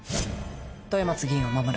豊松議員を守る。